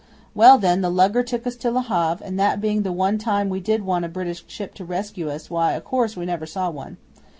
'Well, then, the lugger took us to Le Havre, and that being the one time we did want a British ship to rescue us, why, o' course we never saw one.